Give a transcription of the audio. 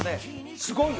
すごいよ。